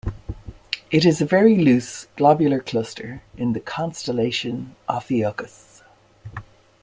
It is a very loose globular cluster in the constellation Ophiuchus.